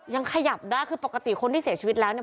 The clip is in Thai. ยังขยับได้คือปกติคนที่เสียชีวิตแล้วเนี่ย